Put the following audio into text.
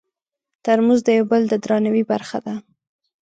ترموز د یو بل د درناوي برخه ده.